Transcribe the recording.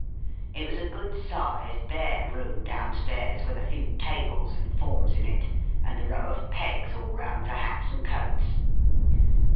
" It was a good sized bare room downstairs, with a few tables and forms in it, and a row of pegs, all round, for hats and coats.